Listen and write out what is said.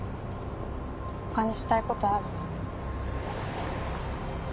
他にしたいことある？